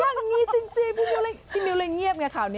อย่างนี้จริงพี่มิ้วเลยเงียบไงข่าวนี้